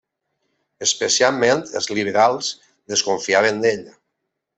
Especialment els liberals desconfiaven d'ell.